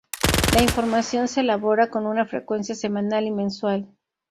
La información se elabora con una frecuencia semanal y mensual.